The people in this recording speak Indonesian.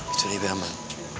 itu lebih aman